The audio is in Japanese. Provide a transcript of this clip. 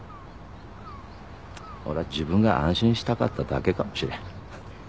俺は自分が安心したかっただけかもしれん。